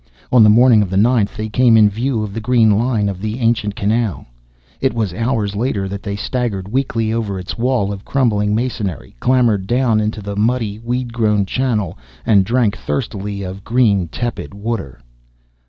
On the morning of the ninth, they came in view of the green line of the ancient canal. It was hours later that they staggered weakly over its wall of crumbling masonry, clambered down into the muddy, weed grown channel, and drank thirstily of green, tepid water.